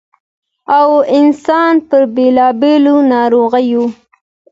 ٫ او انسـان پـر بېـلابېـلو نـاروغـيو